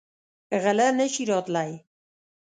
غله نه شي راتلی.